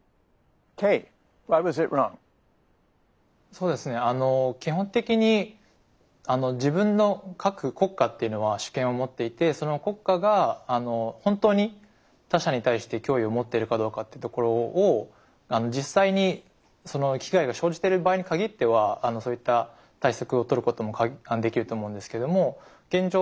そうですねあの基本的に自分の各国家っていうのは主権を持っていてその国家が本当に他者に対して脅威を持っているかどうかってところを実際にその危害が生じてる場合に限ってはそういった対策をとることもできると思うんですけども現状